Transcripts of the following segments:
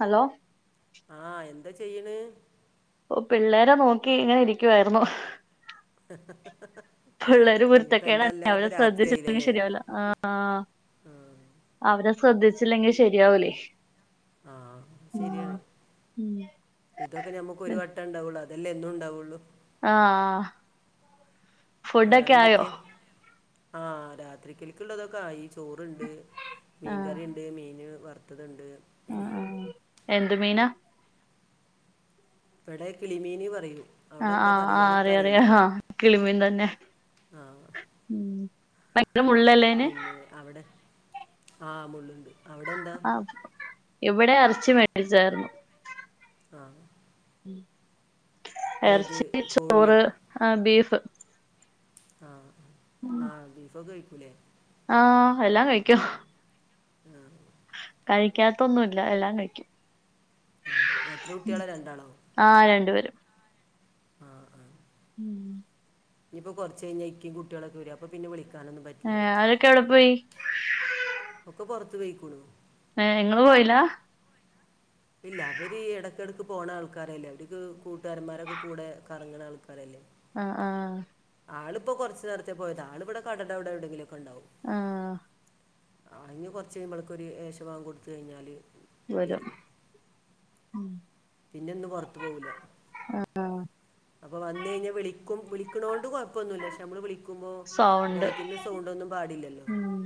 Hello ആഹ് എന്ത് ചെയ്യണ് ഓ പിള്ളേരെ നോക്കി ഇങ്ങനെ ഇരിക്കുവായിരുന്നു പിള്ളേര് ഇനിയിപ്പോ എന്താ കുരുത്തക്കേടാണ് അല്ലാതെ ഇപ്പ അവരെ ശ്രദ്ധിച്ചില്ലെങ്കി രാത്രിയായില്ലല്ലേ ശരിയാവൂല ആഹ് ആ അവരെ ശ്രദ്ധിച്ചില്ലെങ്കിൽ ശരിയാവൂലേ ആഹ് ഉം ശരിയാണ് ഉം ഇതൊക്കെ ഞമ്മക്കൊരു വ ണ്ടാവുള്ളൂ അതല്ലേ എന്നും ഉണ്ടാവുള്ളൂ ആഹ് ആഹ് വേറെന്തൊക്കെയ ആഹ് രാത്രിക്കലിക്കുള്ളതൊക്കെ ആയി ചോറ്ണ്ട് ആ മീൻകറിയുണ്ട് മീന് വറുത്തതുണ്ട് ആ ആ എന്ത് മീനാ ഇവിടെ കിളിമീന് പറയും അവിടെ ആഹ് എന്താ ആഹ് ആഹ് പറയാന്നൊക്കെ അറിയാം അറിയില്ല അറിയാം ആഹ് കിളിമീൻ തന്നെ ആ പിന്നെ [unintelligible] അവിടെ ആഹ് മുള്ളുണ്ട് അവിടെ എന്താ ആഹ് ഇവിടെ ഇറച്ചി മേടിച്ചായിരുന്നു ആഹ് ഇറച്ചിക്ക് കോഴിയോ ചോറ് ആഹ് ബീഫ് ആഹ് ആഹ് ബീഫോക്കെ കഴിക്കൂല്ലേ ആഹ് എല്ലാം കഴിക്കും ആഹ് കഴിക്കാത്ത ഒന്നുല്ല എല്ലാം കഴിക്കും എത്ര കുട്ടികള രണ്ടാളോ ആഹ് രണ്ടുപേരും ആഹ് ആഹ് ഉം ഇനിയിപ്പ കുറച്ച് കഴിഞ്ഞ [unintelligible] കുട്ടികളൊക്കെ വരും അപ്പ പിന്നെ വിളിക്കാനൊന്നും പറ്റില്ല ഇക്ക എവിടെ പോയി [unintelligible] പുറത്ത് പോയ്ക്കുണു ഏഹ് ഇങ്ങള് പോയില്ല ഇല്ല അവര് ഇടക്കിടക്ക് പോണ ആൾക്കാരല്ലേ അവർക്ക് കൂട്ടുകാരന്മാരൊക്കെ കൂടെ കറങ്ങണ ആൾക്കാരല്ലേ ആഹ് ആഹ് ആളിപ്പോ കുറച്ചു നേരത്തെ പോയത ആളിവിടെ കടൻ്റെ അവിടെ എവിടെയെങ്കിലൊക്കെ ഉണ്ടാവും ആഹ് [unintelligible] കൊടുത്ത് കഴിഞ്ഞാല് വരും പിന്നെ ഇന്ന് പുറത്തു പോവൂല്ല അപ്പൊ വന്ന് കഴിഞ്ഞാ വിളിക്കും വിളിക്കണോണ്ട് കുഴപ്പൊന്നുല്ല നമ്മള് വിളിക്കുമ്പോ സൗണ്ട് [unintelligible] സൗണ്ടൊന്നും പാടില്ലല്ലോ ഉം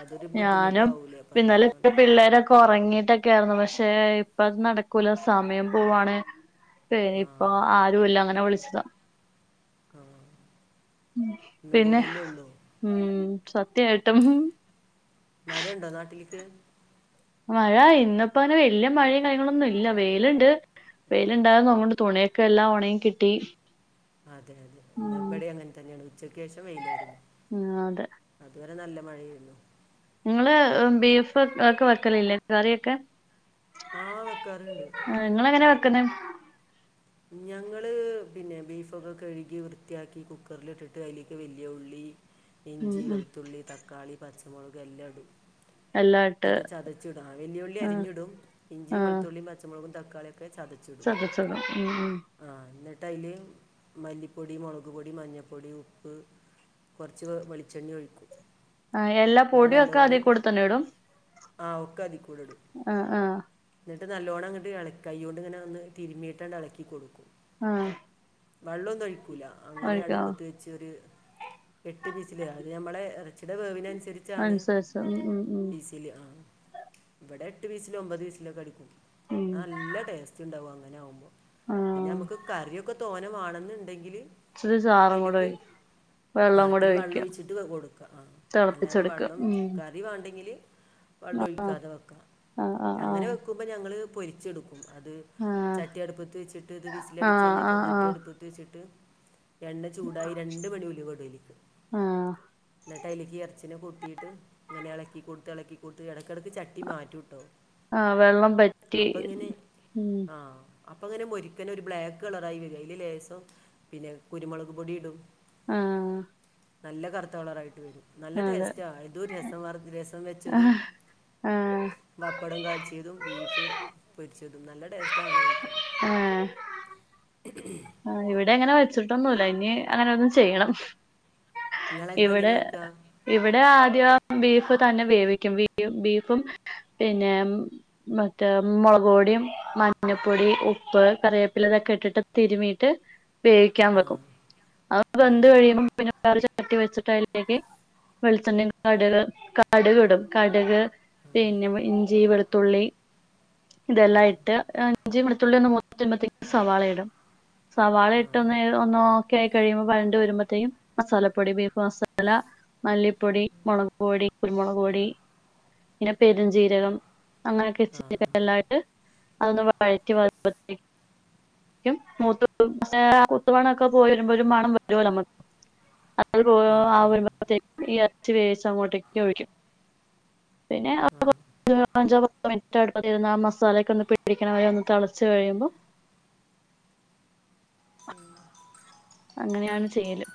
അതൊരു ബുദ്ധിമുട്ടാവൂലേ അപ്പ അതൊണ്ടാണ് ഇപ്പൊ ഉറങ്ങിട്ടൊക്കെ ആയിരുന്നു പക്ഷെ ഇപ്പ അത് നടക്കൂല സമയം പോവാണ് പ്പെ ഇപ്പൊ ആഹ് ആരുല്ല അങ്ങനെ വിളിച്ചതാ ആഹ് ഉം ഇന്നും പിന്നെ കൂടല്ലേ ഉള്ളൂ ഉം സത്യ ആയിട്ടും മഴ ഉണ്ടോ നാട്ടിൽക്ക് മഴ ഇന്നപ്പോ അങ്ങനെ വല്ല്യ മഴയും കാര്യങ്ങളന്നും ഇല്ല വെയില്ണ്ട് വെയിണ്ടായിന്നങ്ങോണ്ട് തുണിയൊക്കെ എല്ലാം ഉണങ്ങി കിട്ടി അതെ അതെ ഇന്ന് ഉം ഇവിടെ അങ്ങനെ തന്നെയാണ് ഉച്ചക്ക് ശേഷം വെയിലായിരുന്നു ആഹ് അതെ അതുവരെ നല്ല മഴയായിരുന്നു ഇങ്ങള് ബീഫ് ഒക്കെ വെക്കലില്ലേ കറിയൊക്കെ ആഹ് വെക്കാറണ്ട് ആഹ് ഇങ്ങളെങ്ങനെ വെക്കുന്നെ ഞങ്ങള് പിന്നെ ബീഫൊക്കെ കഴുകി വൃത്തിയാക്കി കുക്കറിലിട്ടിട്ട് അയ്ലേക്ക് വല്ല്യ ഉള്ളി ഉം ഇഞ്ചി ഉം വെളുത്തുള്ളി തക്കാളി പച്ചമുളക് എല്ലാടും എല്ലാം ഇട്ട് ഇതൊക്കെ ചതച്ചിട വല്യ ഉള്ളി ആഹ് അരിഞ്ഞിടും ഇഞ്ചി വെളുത്തുള്ളി പച്ചമുളകും തക്കാളിയൊക്കെ ചതച് ചതച്ചത് ഉം ഉം ആഹ് എന്നിട്ട് അയില് മല്ലിപ്പൊടി മുളക് പൊടി മഞ്ഞപ്പൊടി ഉപ്പ് കുറച്ച് വെളിച്ചെണ്ണേ ഒഴിക്കും ആഹ് എല്ലാ പൊടിയൊക്കെ അധികൂടെ തന്നെ ഇടും ആഹ് ഒക്കതികൂടെ ഇടും ആഹ് ആഹ് എന്നിട്ട് നല്ലോണ്ണം അങ്ങിട്ട് ഇളക് കയോണ്ട് ഇങ്ങനെ ഒന്ന് തിരുമിയിട്ടാണ്ട് ഇളക്കി കൊടുക്കും ആഹ് വള്ളം ഒന്നും ഒഴിക്കൂല അങ്ങനെ ഒഴിക്കോ അടുപ്പത്ത് വെക് ച്ച് ഒര് എട്ട് വിസില അത് ഞമ്മളെ ഇറച്ചിടെ വേവിനനുസരി ച്ചാണ് അനുസരിച്ച് ഉം ഉം ഉം വിസില് ആഹ് ഇവിടെ എട്ട് വിസിലോ ഒമ്പത് വിസിലൊക്കെ അടിക്കും ഉം നല്ല ടേസ്റ്റ്ണ്ടാവും അങ്ങനെ ആവുമ്പോ പിന്നെ ആഹ് അമ്മുക്ക് കറിയൊക്കെ തോനെ വാണന്നുണ്ടെങ്കില് ഇച്ചിരി ചാറുകൂടെയ് ആഹ് ഇത്തിരി വള്ളം ഒഴിച്ചിട്ട് [unintelligible] കൊടുക്കാ ആഹ് അല്ലാതെ തിളപ്പിച്ചെടുക്ക വള്ളം ഉം ക റി വാണ്ടെങ്കിൽ വെള്ളം ആഹ് ഒഴിക്കാതെ വെക്ക ആഹ് അങ്ങനെ ആഹ് വെക് ക്കുമ്പൊ ഞങ്ങള് പൊരിച്ചെടുക്കും അത് ആഹ് ചട്ടിയ അടുപ്പത്ത് വെച്ചിട്ട്ത് വിസിലടിച്ച് ആഹ് കഴിഞ്ഞാൽ ആഹ് ആഹ് ആഹ് ചട്ടിയടുപ്പ് ത്ത്ട്ടുവെച്ചിട്ട് എണ്ണ ചൂടായി രണ്ട് മണി ഉലുവടും അഴിൽക്ക് ആഹ് എന്നിട്ടയില്ക്ക് എർ ച്ചികൊടീട്ട് ഇങ്ങനെ ഇളക്കി കൊടുത്ത് ഇളക്കി കൊടുത്ത് ഇടക്കിടയ്ക്ക് ചട്ടി മാറ്റുട്ടോ ആഹ് വെള്ളം പറ്റി അപ്പൊങ്ങനെ ഉം ആഹ് അപ്പൊ അങ്ങനെ മുരിക്കന ഒരു ബ്ലാക്ക് കളറായി വരും അയിൽ ലേസം പിന്നെ കുരുമുളക് പൊടി ഇടും ആഹ് നല്ല കറുത്ത കളറായിട്ട് വരും നല്ല അതെ ടേസ്റ്റാ ഇതും രസം വർ രസം വെച്ചതും ആഹ് ആഹ് വപ്പടം കാച്ചിയതും ബീഫ് പൊരിച്ചതും നല്ല ടേസ്റ്റാ അങ്ങനെ കഴിക്കാൻ ഏഹ് ആഹ് ഇവിടെ അങ്ങനെ വെച്ചിട്ടൊന്നുല്ല ഇനി അങ്ങനെ ഒന്നു ചെയ്യണം നിങ്ങളൊക്കെ ഇപ്പം ഇവിടെ എങ്ങനെ വെക്കുക ഇവടെ ആദ്യം ബീഫ് തന്നെ വേവിക്കും ബീഫ് ബീഫും പിന്നെ മറ്റേ മൊളക് പൊടിം മഞ്ഞപ്പൊടി ഉപ്പ് കറിവേപ്പില ഇതൊക്കെ ഇട്ടിട്ട് തിരുമീട്ട് വേവിക്യാം ആ വെക്കും അത് ആ ആ വെന്ത് കഴിയുമ്പോ പിന്നേ വേറൊരു ച ചട്ടി വെച്ചിട്ട് അയിലേക്ക് വെളിച്ചെണ്ണി കടക് കടക് ഇടും കടക് പിന്നെ ഇഞ്ചി വെൾത്തുള്ളി ആ ഇതെല്ലാം ഇട്ട് ഇഞ്ചി വെളുത്തുള്ളി ഒന്നു മൂത്ത് വരുമ്പയത്തേക്കും സവാള ഇടും സവാള ആ ആ ഇട്ട് ഒന്ന് ഒന്നോക്കെ ആയി കഴിയുമ്പോ വയണ്ട് വരുമ്പത്തേക്കും മസാല പോടി ബീഫ് മസാല മല്ലി പോടി മൊളക് പൊടി കുരുമുളക് പൊടി പിന്നെ പെരുഞ്ചീരകം അങ്ങനെയൊക്കെ ഇച്ചിരി എല്ലാ ഇട്ട് അതൊന്ന് വഴറ്റി വരുമ്പോത്തേ ക്കും മൂത്ത് [unintelligible] മൂത്ത് മണ ഒക്ക പോയി വരുമ്പോ ഒരു മണം വരോ നമു [unintelligible] ആ ആ ആ എർച്ചി വേവിച്ച അങ്ങോട്ടേക്ക് ഒഴിക്കും പിന്നേ ആ [unintelligible] അഞ്ചോ പത്തോ മിൻറ്റ് അടുപ്പത്തിരുന്നു ആ മസാലയൊക്ക ഒന്ന് പിടിക്ക്ണ വരെ ഒന്ന് തെളച്ച് കഴിയുമ്പോ ഉം അങ്ങനെയാണ് ചെയ്യല്.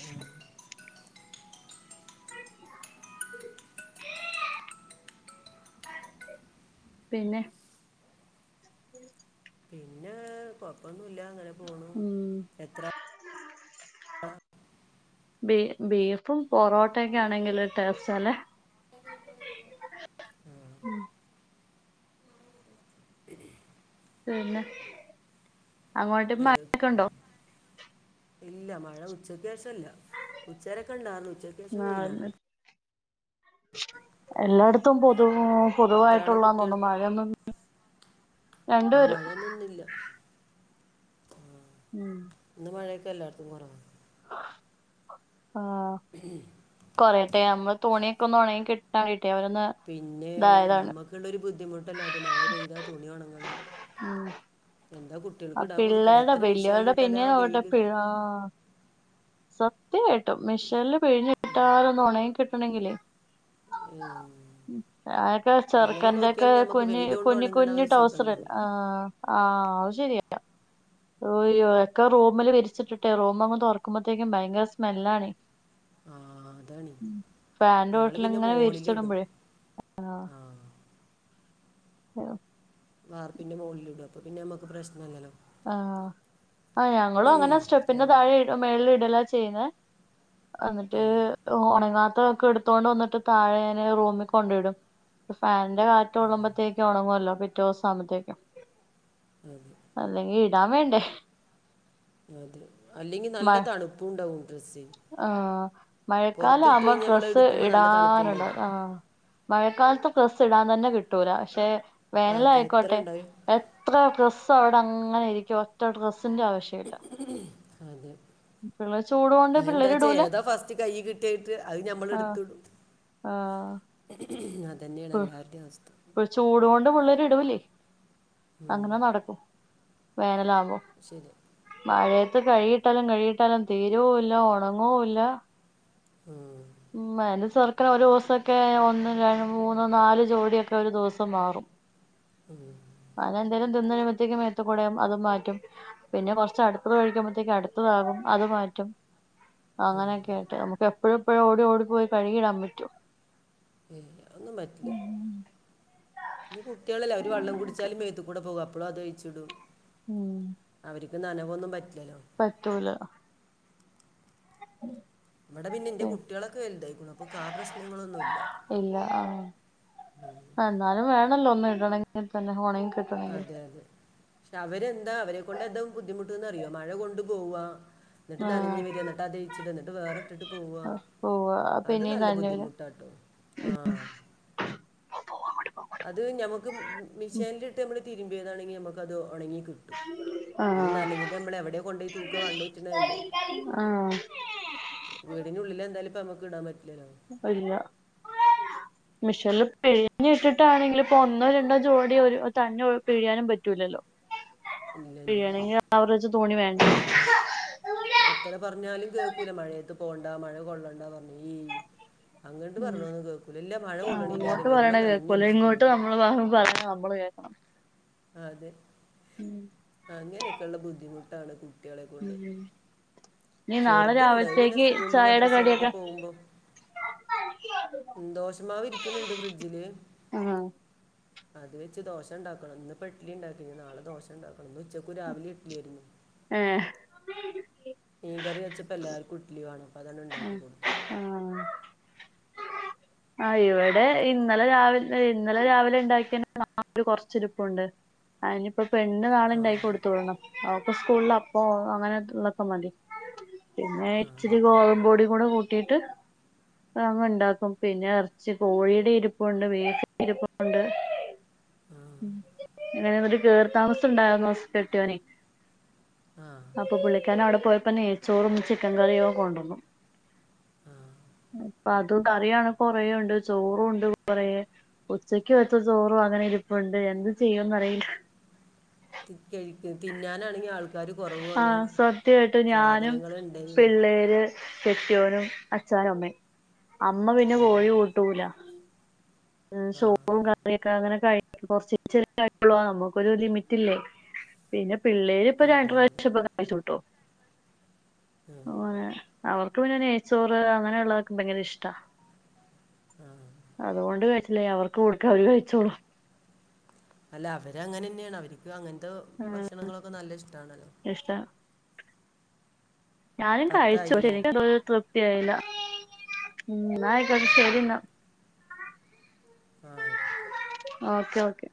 ഉം പിന്നെ പിന്നെ കൊഴപ്പൊന്നുല്ല അങ്ങനെ പോണു. ഉം, എത്ര ആ ബീ ബീഫും പൊറോട്ടെക്കെ ആണെങ്കില് ട്ടെസ്റ്റ അല്ലേ ഉം. പിന്നെ അങ്ങോട്ട് ഏ, മഴക്ക ഒണ്ടോ ഇല്ല. മഴ ഉച്ചക്ക് ശേഷം ഇല്ല. ഉച്ചവരെക്കെ ഉണ്ടാർന്ന്. ഉച്ച [unintelligible] എല്ലാടത്തും പൊതുമൊ എത്ര ആളെ പൊതുവായിട്ടുള്ള കുട്ടികൾ തോന്നുന്നു മഴന്നും ആ മഴയൊന്നു ഇന്നില്ല ഉം ഇന്ന് മഴക്കെ എല്ലാട്ത്തും കൊറവാ. ആ [unintelligible] കൊറയട്ടെ. നമ്മള് തുണിയൊക്ക ഒന്നു ഒണങ്ങി കിട്ടാം വേണ്ടിട്ടേ അവരൊന്ന് പിന്നെ ഇതായതാണ് ഞമ്മക്ക്ള്ളൊരു ബുദ്ധിമുട്ടല്ലേ അത് മഴ പെയ്താ തുണിയൊണങ്ങണം. ഉം എന്താ കു ആ പിള്ളേർടെ വല്ല്യോര്ടെ പിന്നിം പോട്ടെ വെയില് പി ആ സത്യായിട്ടും മിഷീൻല് പിഴിഞ്ഞ് ഇട്ടാലൊന്ന് ഒന്ന് ഒണങ്ങി കിട്ടണെങ്കില് ഉം അതൊക്കെ ചെർക്കന്റെക്കെ നോക്കിയാലും നമുക്ക് കുഞ്ഞി വെയിൽ കൊണ്ട് കുഞ്ഞി ഉണങ്ങണ കുഞ്ഞി ഒരു സുഖം ടൗസറ്. ഉണ്ടാവില്ല ആ ആ അത് ശരിയ. ഓയ്യോ ഒക്ക റൂമില് വിരിച്ചിട്ടിട്ടെ റൂമ് അങ്ങ് തൊറക്കുമ്പഴത്തേക്കും ഭയങ്കര സ്മെല്ലാണെ. ആ അതാണ് ഫാന്റെ ഞങ്ങൾ പിന്നെ ചൊട്ടിലങ്ങനെ മോളിലിടും വിരിച്ചിടുമ്പഴേ. ആ ആ വാർപ്പിന്റെ മോൾലിടും. അപ്പ പിന്നെ നമ്മക്ക് പ്രശ്നല്ലല്ലോ. ആ. ആ ഞങ്ങളും അങ്ങനെ സ്റ്റെപ്പിന്റെ എൻ- താഴെ ഇടു മേൾല് ഇടലാ ചെയ്യ്ന്നേ. അന്നിട്ട് ഉം, ഒണങ്ങാത്ത ഒക്ക ഇട് ത്തോണ്ട് വന്നിട്ട് താഴെ ഞാന് റൂമി കൊണ്ടിടും. ഫാന്റെ കാറ്റ് കൊള്ളുമ്പഴത്തേക്ക് ഒണങ്ങോല്ലോ. പിറ്റേ ദിവസമാകുമ്പത്തേക്കും. ഉം അല്ലെങ്കി ഇടാൻ വേണ്ടേ അതെ. അല്ലെങ്കിൽ നല്ല മഴ തണുപ്പും ഉണ്ടാവും ഡ്രെസ്സിന്. ആഹ് മഴക്കാലം ആകുമ്പം നമ്മൾ ഡ്രസ്സ് എടുക്കുമ്പോൾ നല്ല ഇടാനുണ്ട് തണുപ്പുണ്ടാവും ആഹ് ആഹ് മഴക്കാലത്ത് ഡ്രസ്സ്‌ ഇടാൻ തന്നെ കിട്ടൂല. പക്ഷെ അതെ എത്ര വേനലായിക്കോട്ടെ ഉണ്ടാവും എത്ര ഡ്രസും അവിടെ അങ്ങനെ ഇരിക്കും. ഒറ്റ ഡ്രസ്സിന്റെ ആവശ്യം ഇല്ല. അത് ചൂട് കൊണ്ട് പിള്ളേര് എന്താച്ചാ ഇടൂല ഏതാ ഫസ്റ്റ് കൈ കി കിട്ടിയിട്ട് അത് ആഹ് ഞമ്മളെടുത്തിടും. ആഹ് അത് തന്നെയാണ് എല്ലാവരുടെയും അവസ്ഥ ചൂട്കൊണ്ട് പിള്ളേരിടൂല്ലേ. ഉം. അങ്ങനെ നടക്കും വേനലാമ്പോ. ശെരിയാ മഴയത്ത് കഴുകിയിട്ടാലും കഴുകിയിട്ടാലും തീരുവും ഇല്ല ഒണങ്ങുവില്ല. ഉം എന്റെ ചെറുക്കന് ഒരു ദിവസൊക്കെ ഒന്ന് രണ്ട് മൂന്ന്‌ നാല് ജോടിയൊക്കെ ഒരു ദിവസം മാറും. ഉം അവനെന്തേലും തിന്നുകഴിയുമ്പത്തേക്കും മേത്തുക്കൂടെയാവും അതും മാറ്റും. പിന്നെ കൊറച്ച് അടുത്തത് ഒഴിക്കുമ്പോത്തേക്ക് അടുത്തതാകും അത് മാറ്റും. അങ്ങനെയൊക്കെ ആയിട്ട് നമുക്ക് എപ്പഴും എപ്പഴും ഓടി ഓടി പോയി കഴുകിയിടാൻ പറ്റുവോ. ഏയ്‌ അതൊന്നും പറ്റില്ല. പിന്നെ കുട്ടികളല്ലേ അവരു വെള്ളം അങ്ങനൊക്കെ കുടിച്ചാലും മേത്തു കൂടെ പോകും എപ്പോളും അതഴിച്ചിടും ഉം അവരക്ക് നനവൊന്നും പറ്റില്ലല്ലോ പറ്റൂല. ഉം ഇവിടെ പിന്നെ എന്റെ കുട്ടികളൊക്കെ വലുതായിക്കണു അപ്പൊക്ക് ആഹ് പ്രശ്നങ്ങളൊന്നുമില്ല. ഇല്ല ആഹ് എന്നാലും വേണല്ലോ ഒന്ന് ഇടണമെങ്കിൽ തന്നെ ഒണങ്ങി കിട്ട അതെ അതെ പക്ഷെ അവരെന്താ അവരെ കൊണ്ടെന്താ ബുദ്ധിമുട്ട്ന്നറിയോ മഴ കൊണ്ടു പോവാ എന്നിട്ട് നനഞ്ഞ് ആഹ് വരിക, എന്നി ട്ട് അതഴിച്ചിടും എന്നിട്ട് വേറെട്ടിട്ട് പോവാ, പോവാ അത് പിന്നീം നല്ല നനഞ്ഞു വരും ബുദ്ധിമുട്ടാട്ടോ ആഹ് അത് ഞമ്മക്ക് മിഷ്യനിലിട്ട് നമ്മള് തിരുമ്പിയതാണെങ്കി നമ്മക്കത് ഒണങ്ങി കിട്ടും. ഈ ആഹ് നനഞ്ഞത് നമ്മളെവിടെയാ കൊണ്ടോയി തൂക്കുക കണ്ടു വെച്ചണല്ലേ. ഉം വീടിനുള്ളിലെന്തായാലും ഇപ്പമ്മക്ക് ഇടാൻ പറ്റില്ലല്ലോ? ഇല്ല മിഷ്യനില് പിഴിഞ്ഞിട്ടിട്ടാണെങ്കിലിപ്പൊ ഒന്നോ രണ്ടോ ജോടി ഒരു തന്നേ പിഴിയാനും പറ്റൂല്ലല്ലോ. ഇല്ല ഇല്ല ഇല്ല പിഴിയണെങ്കിൽ ആവറേജ് തുണി വേണ്ടേ. എത്ര പറഞ്ഞാലും കേക്കൂല മഴയത്ത് പോണ്ട മഴ കൊള്ളണ്ട പറഞ്ഞാ ഉം അങ്ങോട്ട് ഉം പറഞ്ഞോന്നും കേക്കൂല, ഇല്ല മഴ ആഹ് അങ്ങോട്ട് കൊള്ളണില്ലാറയും, വരുമ്പോ പറയണ കേക്കൂല നനഞ്ഞൊലിച്ചിട്ട് ഇങ്ങോട്ട് വരും. നമ്മള് പറയണ നമ്മള് കേക്കണം ആഹ് അതെ, ഉം അങ്ങനൊക്കെയൊള്ള ബുദ്ധിമുട്ടാണ് കുട്ടികളെ കൊണ്ട്. ഉം ഇനി നാളെ ചെറുതുണ്ട് അത് പിന്നെ രാവിലത്തേക്ക് സ്കൂളില് ചായയുടെ മദ്രസയിലൊക്കെ കടിയൊക്കെ പോവുമ്പോ ദോശമാവിരിക്കുന്നുണ്ട് ഫ്രിഡ്ജില്. ആഹ് അത് വെച്ച് ദോശ ഉണ്ടാക്കണം ഇന്നിപ്പോ ഇഡ്ഡലിയുണ്ടാക്കി ഇനി നാളെ ദോശ ഉണ്ടാക്കണം ഇന്ന് ഉച്ചക്കും രാവിലേം ഇഡ്ഡലി ആയിരുന്നു. ഏഹ് മീൻ കറി വെച്ചപ്പോ എല്ലാർക്കും ഇഡ്ഡലി വേണം അപ്പൊ അതങ്ങട് ഉണ്ടാക്കി കൊടുത്തു. ആഹ് ആഹ് ഇവിടെ ഇന്നലെ രാവില ഇന്നലെ രാവിലെ ഉണ്ടാക്കിയന്റെ മാവ് ഒരു കൊറച്ചിരിപ്പുണ്ട്. ആഹ് ഇയിനിപ്പൊ പെണ്ണിന് നാളെ ആ ഉണ്ടാക്കിക്കൊടുത്തുവിടണം അവക്ക് സ്കൂളിൽ അപ്പോ അങ്ങനെ ഉള്ളൊക്കെ മതി. പിന്നെ ആ ഇച്ചിരി ഗോതമ്പുപൊടി കൂടെ കൂട്ടിയിട്ട് അഅങ്ങ് ണ്ടാക്കും. പിന്നെ എറച്ചി കോഴിയുടെ ഇരിപ്പൊണ്ട് [unintelligible] ഇരിപ്പൊണ്ട്. ആ ഉം അതെ മാതിരി കേറിത്താമസ ണ്ടായിരുന്നു സ് കെട്ടിയോനെയ്. ആഹ് അപ്പൊ പുള്ളിക്കാരനവിടെ പോയപ്പോ നെയ്ച്ചോറും ചിക്കൻ കറിയും ഒക്കെ കൊണ്ടുവന്നു. ആ ഉം അതും കറിയാണെ കൊറേ ഒണ്ട് ചോറും ഉണ്ട് കൊറെ ഉച്ചക്ക് വച്ച ചോറും അങ്ങനെ ഇരി പ്പൊണ്ട് എന്ത് ചെയ്യുന്നറിയില്ല. ഇൻക്കേ ഇൻക്ക് തിന്നാനാണെങ്കിൽ ആൾ ക്കാര് കൊറവും. ആഹ് സത്യായിട്ട് ഞാനും പിള്ളേര് കെട്ടിയോനും അച്ചാനും അമ്മയും അമ്മ പിന്നെ ആ കോഴി കൂട്ടൂല. ഉം ആ ചോറും കറിയൊക്കെ അങ്ങനെ [unintelligible] യുള്ളു നമ്മുക്കൊരു ലിമിറ്റില്ലേ. പിന്നെ പിള്ളേരിപ്പൊ അതെ രണ്ടു അതെ പ്രാവശ്യം ഭക്ഷണം കഴിച്ചുട്ടോ. ആ അവർക്ക് പിന്നെ നെയ്ച്ചോറ് അങ്ങനെയൊള്ളതൊക്കെ ഭയങ്കര ഇഷ്ടാ. ആ അതുകൊണ്ട്. കയിച്ചിലായി അവർക്ക് കൊടുക്കാ വര് കഴിച്ചോളും. അല്ല അവരങ്ങനെന്നെയാണ് അവര്ക്ക് അങ്ങനത്തെ ഭക്ഷണങ്ങളൊക്കെ നല്ല ഷ്ടാണല്ലോ. ഇഷ്ടാ. ഞാനും കഴിച്ചു പക്ഷെ പത്തായില്ലേ നിക്ക് തൃപ്തിയായില്ല. ഉം ന്നായിക്കോട്ടേ ആ ശരിന്നാ. ആ ആയിക്കോട്ടെ ഓക്കേ ഓക്കെ.